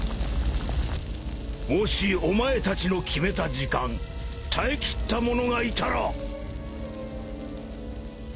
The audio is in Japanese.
もしお前たちの決めた時間耐え切った者がいたら。